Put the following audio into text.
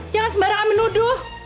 jangan sembarangan menuduh